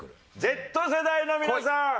Ｚ世代の皆さん